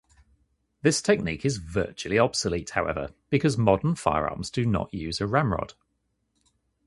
This technique is virtually obsolete, however, because modern firearms do not use a ramrod.